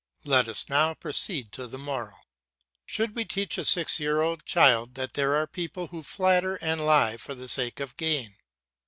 Let us now proceed to the moral. Should we teach a six year old child that there are people who flatter and lie for the sake of gain?